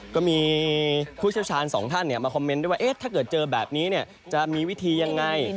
ก็มีผู้เชี่ยวชาญสองท่านมาคอมเมนต์ด้วยว่าถ้าเกิดเจอแบบนี้จะมีวิธียังไง